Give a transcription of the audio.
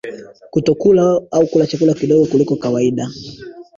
Kutokula au kula chakula kidogo kuliko kawaida